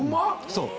そう。